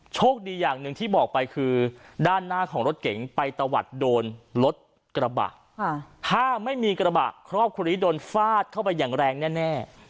โชคดีอย่างหนึ่งที่บอกไปคือด้านหน้าของรถเก๋งไปตะวัดโดนรถกระบะถ้าไม่มีกระบะครอบครัวนี้โดนฟาดเข้าไปอย่างแรงแน่